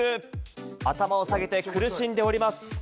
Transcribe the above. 頭を下げて苦しんでおります。